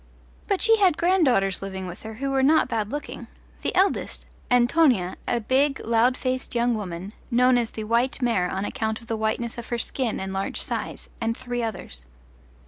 But she had granddaughters living with her who were not bad looking: the eldest, Antonia, a big loud voiced young woman, known as the "white mare" on account of the whiteness of her skin and large size, and three others.